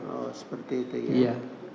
oh seperti itu ya